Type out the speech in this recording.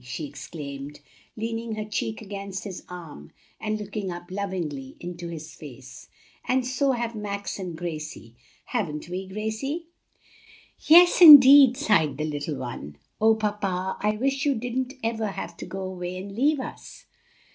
she exclaimed, leaning her cheek against his arm and looking up lovingly into his face, "and so have Max and Gracie. Haven't we, Gracie?" "Yes, indeed!" sighed the little one. "O papa, I wish you didn't ever have to go away and leave us!"